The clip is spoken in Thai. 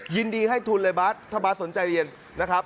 ยินดีให้ทุนเลยบ๊าสถ้าบ๊าสสนใจเรียน